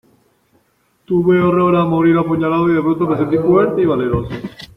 tuve horror a morir apuñalado, y de pronto me sentí fuerte y valeroso.